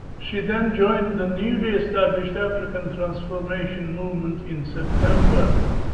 She then joined the newly established African Transformation Movement in September.